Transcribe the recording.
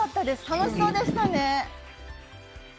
楽しそうでしたね！